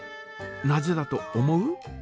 なぜだと思う？